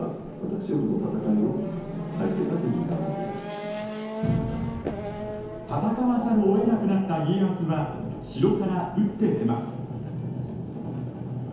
なので戦わざるをえなくなった家康は城から打って出ます。